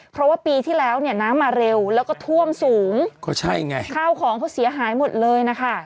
เพราะว่าปีที่แล้วเนี่ยน้ำมาเร็วแล้วก็ท่วมสูงก็ใช่ไงข้าวของเขาเสียหายหมดเลยนะคะ